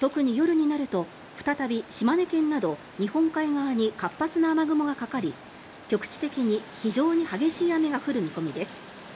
特に夜になると再び島根県など日本海側に活発な雨雲がかかり局地的に非常に激しい雨が降る見込みです。